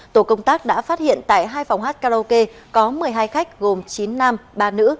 tổ công tác đã phát hiện tại hai phòng hát karaoke có một mươi hai khách gồm chín nam ba nữ